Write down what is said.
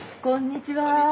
こんにちは。